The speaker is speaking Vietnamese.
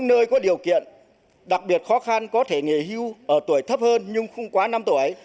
nơi có điều kiện đặc biệt khó khăn có thể nghỉ hưu ở tuổi thấp hơn nhưng không quá năm tuổi